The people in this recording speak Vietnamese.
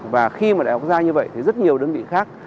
và khi mà đại học gia như vậy thì rất nhiều đơn vị khác